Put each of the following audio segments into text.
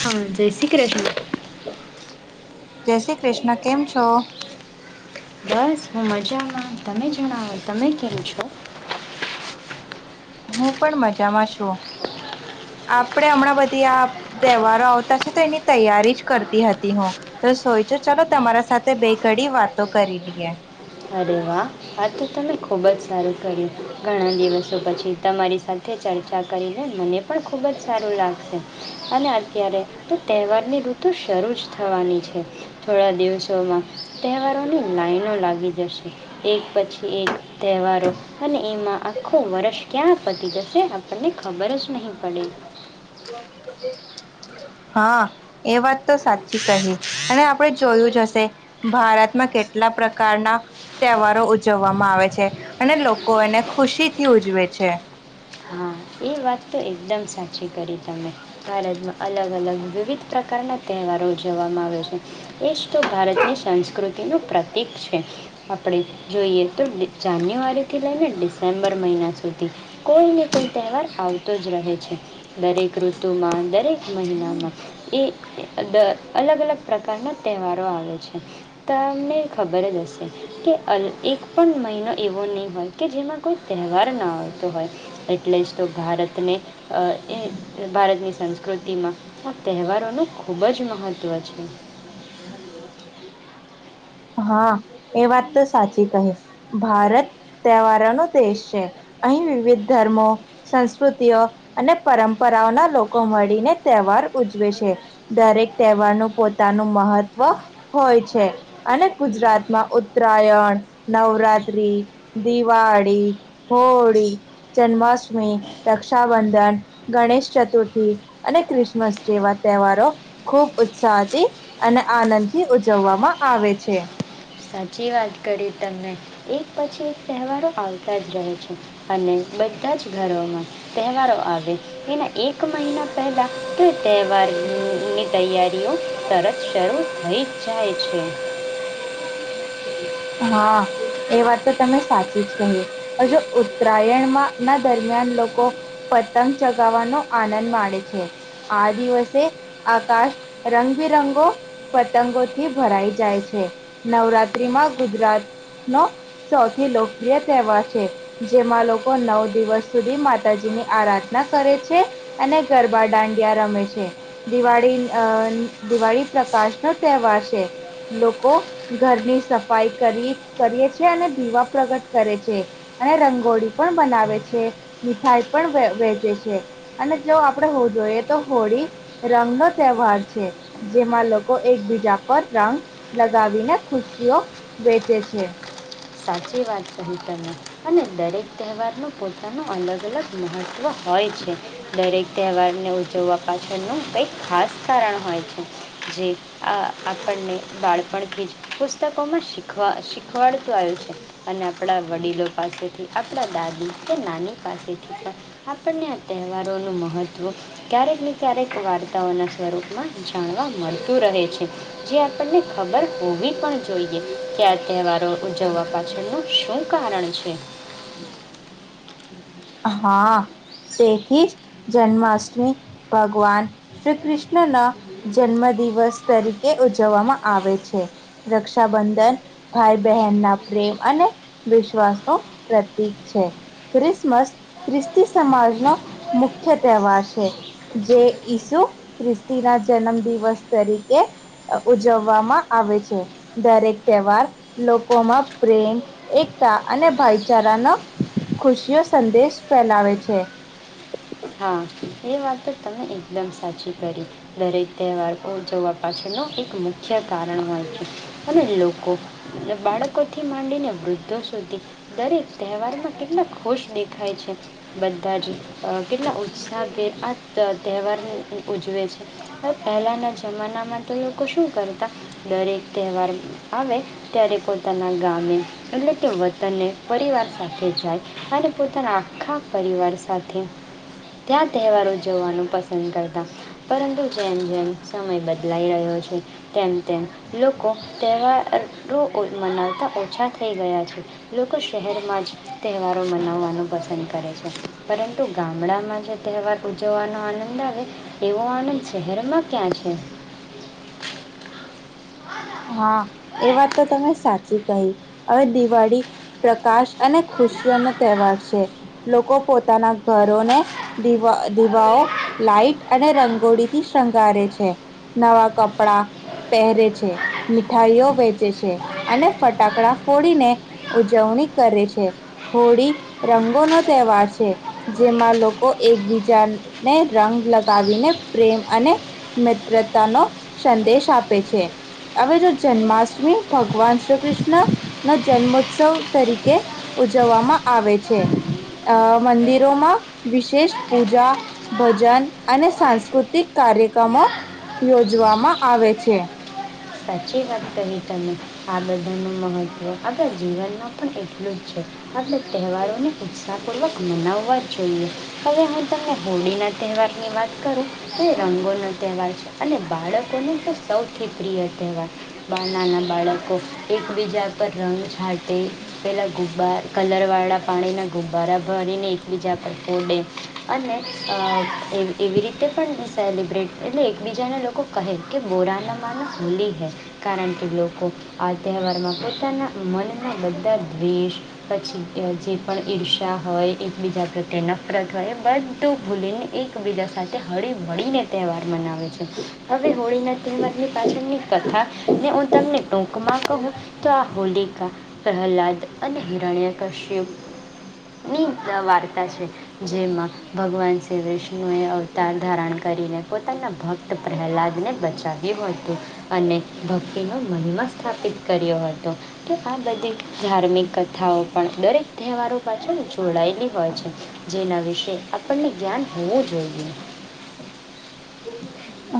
હા જય શ્રી ક રત. [inaudible] જય શ્રી કૃષ્ણ કેમ છો? બસ હું મજામાં, તમે જણાવો? તમે કેમ છો? હું પણ મજામાં છું, આપણેે હમણાં બધી આ તહેવારો આવતા છે તો એની તૈયારી જ કરતી હતી હું, તો ચાલો તમારા સાથે બે ઘડી વાતો કરી લઈએ. અરે વાહ આ તો તને ખુબ જ સારું કર્યું ઘણા દિવસો પછી તમારી સાથે કે ચર્ચા કરીને મને પણ ખૂબ જ સારું લાગશે, અને [unintelligible] ત્યારે, તો તહેવારની ઋતુ શરૂ જ થવાની છે થોડા દિવસ માં તહેવારોની લાાઈનો લાગી જશે એક પછી એક તહેવારો, અને એમાં આ આખું વર્ષ ક્યાં પતી જશે આપણને ખબર જ નહી પડે. હા એ વાત તો સાચી કહી, અને આપણે જોયું જ હશે, ભારતમાં કેટલા પ્રકારના તહેવારો ઉજવવામાં આવે છે, અને લોકો એને ખુશીથી ઉજવે છે. હા એ વાત તો એકદમ સાચી કરી તમે, ભારતમાં અલગ અલગ વિવિધ પ્રકારના તહેવારો ઉજવવામાં આવ્યા છે, એ જ તો ભારતની સંસ્કૃતિનું પ્રતિક છે, આપણે જોઈએ તો જાન્યુઆરીથી લઈને ડિસેમ્બર મહિના સુધી, કોઈને કોઈ તહેવાર આવતો જ રહે છે, દરેક ઋતુમાં દરેક મહિનામાં, એ અહ દ અલગ અલગ પ્રકારના તહેવારો આવે છે, તમને ખબર જ હશે, કે અલ એક પણ મહિનો એવો નહીં હોય કે જેમાં કોઈ તહેવાર ન આવતો હોય. એટલે જ તો ભારતને, અહ એ ભારતની સંસ્કૃતિમાં આ તહેવારોનું ખૂબ જ મહત્ત્વ છે. હા એ વાત તો સાચી કહી, ભારત તહેવારો નો દેશ છે, અહીં વિવિધ ધર્મો સંસ્કૃતિઓ અને પરંપરાઓના લોકો મળીને તહેવાર ઉજવે છે, દરેક તહેવારનું પોતાનું મહત્વ હોય છે. અને ગુજરાતમાં ઉત્તરાયણ, નવરાત્ર્રી, દિવાળી, હોળી જન્માષ્ટમી, રક્ષાબંધન, ગણેશ ચતુર્થી અને ક્રિસમસ જેવા તહેવારો, ખુબ ઉત્સાહથી અને આનંદથી ઉજવવામાં આવે છે. સાચી વાત. કરી તમે, એક પછી તહેવારો આવતા જ રહે છે, અને બધા જ ઘરોમાં, તહેવારો આવે તેના એક મહિના પહેલા તે તહેવારની તૈયારીઓ તરત શરૂ થઈ જ જાય છે. હા એ વાત તો તમે સાચી જ કહી, હજુ ઉત્તરાયણમાં ના દરમિયાન લોકો, પતંગ ચગાવવાનો આનંદ માણેે છે, આ દિવસે આકાશ રંગબે રંગો પતંગોથી ભરાઈ જાય છે, નવરાત્રીમાં ગુજરાતનો સૌથી લોકપ્રિય તહેવાર છે, જેમાં લોકો નવ દિવસ સુધી માતાજીની આરાધના કરે છે, અને ગરબા દાંડિયા રમે છે, દિવાળી અહ દિવાળી પ્રકાશનો તહેવાર છે, લોકો ઘરની સફ સફાઈ કરી કરીએ છીએ અને દીવા પ્રગટ કરીએ છીએ, અને રંગોળી પણ બનાવે છે, મીઠાઈ પણ વ વેચે છે, અને જો આપણે હો જોઈએ તો હોળી રંગનો તહેવાર છે, જેમાં લોકો એકબીજા પર રંગ લગાવીને ખુશીઓ વેચે છે. સાચી વાત કરી તમે, અને દરેક તહેવારનું પોતાનું અલગ અલગ મહત્ત્વ હોય છે, દરેક તહેવારને ઉજવવા પાછળ એનું કંઈક ખાસ કારણ હોય. જે આ આપણને બાળપણથી જ પુસ્તકોમાં શીખવા શીખવાડ તો આયો છે, અને આપણા વડીલો પાસેથી આપણા દાદી કે નાની પાસેથી પણ, આપણને આ તહેવારોનું મહત્ત્વ, ક્યારેક ને ક્યારેક વાર્તાઓના સ્વરૂપમાં જાણવા મળતું રહે છે, જે આપણને ખબર હોવી પણ જોઈએ, કે આ તહેવારો ઉજવવા પાછળનું શું કારણ છે. હા, તેથીજ જન્માષ્ટમી ભગવાન શ્રી કૃષ્ણ ના જન્મ દિવસ તરીકે ઉજવવામાં આવે છે, રક્ષાબંધન ભાઈ બહેન ના પ્રેમ અને વિશ્વાસ નું પ્રતીક છે, ક્રિસમસ ખ્રિસ્તી સમાજ નો મુખ્ય તહેવાર છે, જે ઈસુ ખ્રિસ્તી ના જન્મ દિવસ તરીકે અ ઉજવવામાં આવે છે, દરેક તહેવાર લોકોમાં પ્રેમ એકતા અને ભાઈચારાનો ખુશીઓ સંદેશ ફેલાવે છે. હા એ વાત તો તમે એકદમ સાચી કરી. દરેક તહેવાર ઉજવવા પાછળનું એક મુખ્ય કારણ હોય છે, અને લોકો બાળકોથી માંડીને વૃદ્ધ તું સુધી, દરેક તહેવારમાં કેટલા ખુશ દેખાય છે. બધા જ [inaudible] કેટલા ઉત્સાહ આ જ તહેવાર ઉજવે છે. હ પહેલાના જમાનામાં તો લોકો શું કરતા દરેક તહેવાર આવે ત્યારે કોઈ પોતાના ગામે એટલે તે વતનને પરિવાર સાથે જાય. અને પોતાના આખા પરિવાર સાથે ત્યાં તહેવારો જોવાનું પસંદ કરતા પરંતુ જેમ જેમ સમય બદલાઈ રહ્યો છે. તેમ તેમ લોકો તહેવાર અને કોખ મનાવતા ઓછા થઈ ગયા છે લોકો શહેરમાં જ તહેવારો મનાવવાનું પસંદ કરે છે પરંતુ ગામડકમાં જે તહેવાર ઉજવવાનો આનંદ આવે એવો આનંદ શહેરમાં ક્યાં છે. હા એ વાત તો તમે સાચી કહી હવે દિવાળી પ્રકાશ અને ખુશીઓ નો તહેવાર છે. લોકો-' પોતાના ઘરોને દીવા દીવાઓ લાાઈટ અને રંગોળીથી શંગારે છે. નવા કપડા પહેરે છે. મીઠાઈઓ વેચે છે અને ફટાકડા ફોડીને ઉજવણી કરે છે હોળી રંગોનોો તહેવાર છે જેમાં લોકો એકબીજાને રંગ લગાવીને પ્રેમ અને મિત્રતા નો સંદેશ આપે છે. આવે જો જન્માષ્ટમી ભગવાન શ્રી કૃષ્ણ નો જન્મોત્સવ તરીકે ઉજવવામાં આવે છે. આ મંદિરોમાં વિશેષ પૂજા, ભજન અને સાંસ્કૃતિક કાર્યક્રમો યોજવામાં આવે છે. સાચી વાત કરી તમે આ બધાનું મહત્ત્વ આપણા જીવનમાં પણ એટલું જ છે. આપટણે તહેવારોને ઉત્સાહપૂર્વક મનાવવા જોઈએ હવે હ ત હોળીના તહેવારની વાત કરું તો એ રંગોનો તહેવાર છે અને બાળકોને તો સૌથી પ્રિય છે. તહેવાર માં નાના બાળકો એકબીજા પર રંગ ઝાંટે પહેલાં ગુબ્બા કલરવાળા પાણીના ગુબ્બારા ભરીને એકબીજા પર ફડે અને એ એવી રીતે પણ સેલિબ્રેટ એટલે એકબીજાના લોકો કહે કે બોરાનમાની હોલી કારણ કે લોકો આ તહેવારમાં પોતાના મનમાં બધા દ્વેષ પછી જે પણ ઈર્ષ્યા હોય એકબીજા પ્રત્યે નફરત હોય એ બધું ભૂલીને એકબીજા સાથે હળી વળીને તહેવાર મનાવે છે. હવે હોળી ના તહેવારની પાછળની કથા હું તમને ટૂકમાં કહું તો આ હોલિકા પ્રહલાદ અને હિરણ્યકશ્ય ની વાર્તા છે જેમાં ભગવાન શ્રી વિષ્ણુ એ અવતાર ધારણ કરીને પોતાના ભક્ત પ્રહલાદ ને બચાવ્યું હતું. અને ભક્તિનો મનમાં સ્થાપિત કર્યો હતો તો આ બધી ધાર્મિક કથાઓ પણ દરેક તહેવારો પાછળ જોડાયેલી હોય છે જેના વિશે આપણને જ્ઞાન હોવું જોઈએ.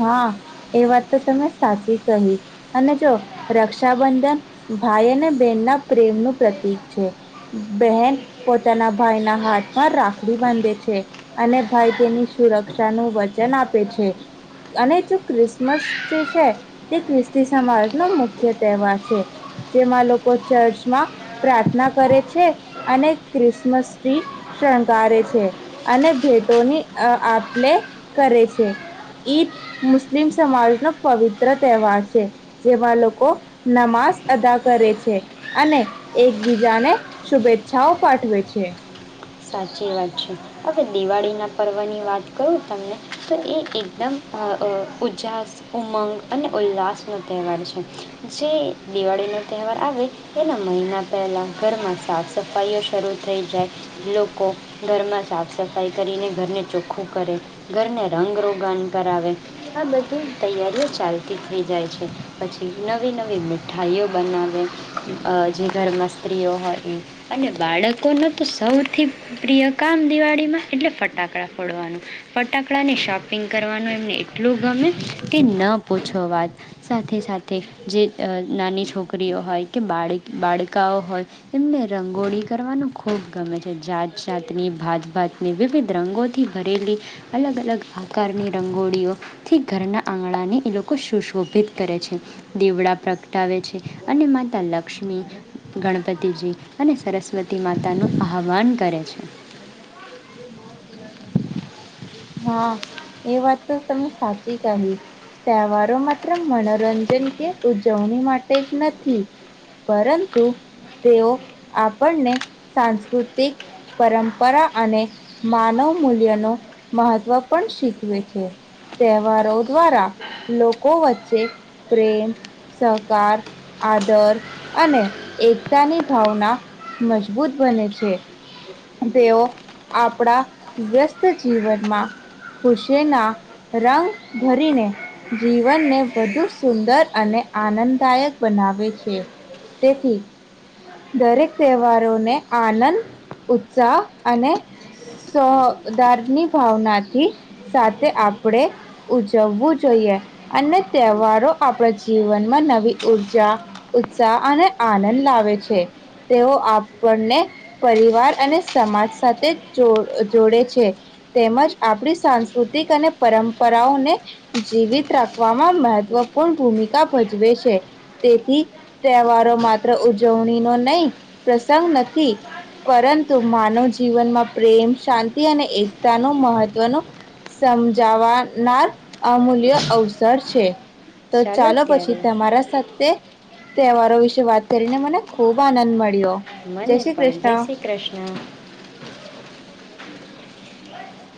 હા એ વાત તો તમે સાચી કહી અને જો રક્ષાબંધન ભાઈ અને બહેનના પ્રેમનું પ્રતીક છે બહેન પોતાના ભાઈના હાથમાં રાખડી બાંધે છે અને ભાઈ તેની સુરક્ષાનું વચન આપે છે. અને જો ક્રિસમસ જે છે તે ખ્રિસ્તી સમાજનો મુખ્ય તહેવાર છે. જેમાં લોકો ચર્ચમાં પ્રાર્થના કરે છે અને ક્રિસમસ ટ્રી શણગારેારે છે અને ભેટોની આપલે કરે છે. ઈદ મુસ્લિમ સમાજ નો પવિત્ર તહેવાર છે. જેમાં લોકો નમાઝ અદા કરે છે. અને એકબીજાને શુભેચ્છાઓ પાઠવે છે. સાચી વાત છે. હવે દિવાળી ના પર્વ ની વાત કરું તમને તો એ એકદમ ઉૂજ્જાસ ઉમંગ અને ઉલ્લાસનો તહેવાર છે. જે દિવાળી નો તહેવાર આવે એના મહિના પહેલા ઘરમાં સાફ સફાઈઓ શરૂ થઈ જાય. લોકો ઘરમાં સાફ સફાઈ કરીને ઘરને ચોખ્ખું કરે ઘરને રંગ રોગણ કરાવે આ બધી તૈયારીઓ ચાલતી થઈ જાય છે પછી નવી નવી મીઠાઈઓ બનાવે જે ઘરમાં સ્ત્રીઓ હોય એ અને બાળકોને તો સૌ થી પ્રિય કામ દિવાળીમાં એટલે ફટાકડા ફોડવાનું ફટાકડાને શોપિંગ કરવાનું એમને એટલું ગમે કે ન પૂછ અ વાત સાથે સાથે જે નાની છોકરીઓ હોય કે બાળ બાળકાઓ, હોય એમને રંગોળી કરવાનું ખૂબ ગમે જાત જાતની ભાત ભાત ની વિવિધ રંગો થી ભરેલી અલગ અલગ આકારની રંગોળીઓ થી ઘરના આંગણાને એ લોકો સુશોભિત કરે છે, દેવડા પ્ર ગટાવે છે, અને માતા લક્ષ્મી, ગણપતિજી. અને સરસ્વતી માતા નો આહ આવન કરે છે. હા એ વાત તો તમે સાચી કહી, તહેવારો માત્ર મનોરંજન કે ઉજવણી માટે જ નથી, પરંતુ તેઓ આપ પણને, સાંસ્કૃતિક પરંપરા અને માનવ મૂલ્યનું મહત્ત્વ પણ શીખવે છે, તહેવારો દ્વારા લોકો વચ્ચે પ્રેમ સહકાર આદર અને એકતાની ભાવના મજબૂત બને છે, તેઓ આપણા વ્યસ્ત જીવનમાં ખુશીના રંગ ભરીને જીવનને વધુ સુંદર અને આનંદદાયક બનાવે છે. તેથી દરેક તહેવારોને આનંદ, ઉત્સાહ અને સો સોદાર ની ભાવનાથી, સાથે આપણેે ઉજવવું જોઈએ અને તહેવારો આપણા જીવનમાં નવી ઉર્જા ઉત્સાહ અને આનંદ લાવે છે. તેઓ આપણને પરિવાર અને સમાજ સાથે જો જોડે છે, તેમજ આપણી સાંસ્કૃતિક અને પરંપરાઓને, જીવિત રાખવામાં મહત્વપૂર્ણ ભૂમિકા ભજવે છે, તેથી તહેવારો માત્ર ઉજવણી ન નહીં પ્રસંગ નથી, પરંતુ માનવ જીવનમાં પ્રેમ શાંતિ અને એકતાનું મહત્વનો, સમજાવા નાર અમૂલ્ય અવસર છે. તો ચાલો પછી તમારા સાથે તહેવારો વિશે વાત કરીને મને ખુબ આનંદ મ માળીઓ. મને પણ જય શ્રી કૃષ્ણ.